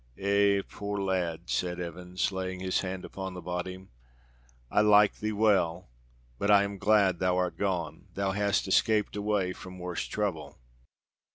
Eh! poor lad," said Evans, laying his hand upon the body; "I liked thee well, but I am glad thou art gone. Thou hast escaped away from worse trouble."